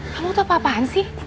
kamu tuh apa apaan sih